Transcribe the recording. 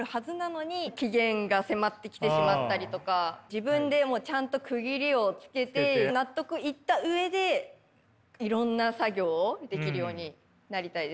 自分でもちゃんと区切りをつけて納得いった上でいろんな作業をできるようになりたいですね。